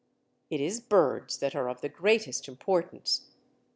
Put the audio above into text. It is birds that are of the greatest importance.